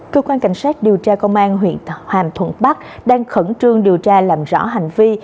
cơ quan cảnh sát điều tra công an huyện hàm thuận bắc đang khẩn trương điều tra làm rõ hành vi